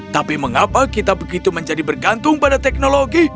tapi mengapa kita begitu menjadi bergantung pada teknologi